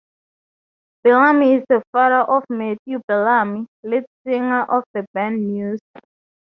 Bellamy is the father of Matthew Bellamy, lead singer of the band Muse.